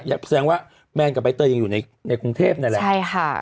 แสดงว่าแมนกับใบเตยยังอยู่ในกรุงเทพนั่นแหละใช่ค่ะ